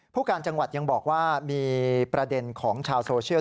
ผู้การจังหวัดยังบอกว่ามีประเด็นของชาวโซเชียล